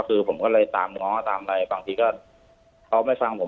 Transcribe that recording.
คือผมก็เลยตามง้อตามอะไรบางทีก็เขาไม่ฟังผม